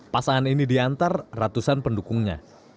pasangan ini diantar ratusan pendukungnya